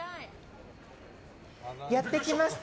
やってきました。